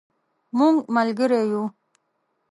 مونږ ملګری یو